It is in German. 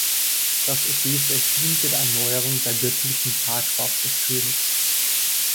Das Opet-Fest diente der Erneuerung der göttlichen Ka-Kraft des Königs.